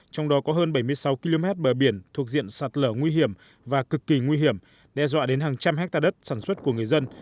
trong đó có hơn bảy mươi sáu km bờ biển thuộc diện sạt lở nguy hiểm và cực kỳ nguy hiểm đe dọa đến hàng trăm hectare đất sản xuất của người dân